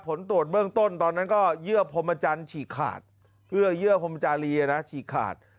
ผลตรวจเบื้องต้นตอนนั้นก็เยื่อพมจันทร์ฉีกขาด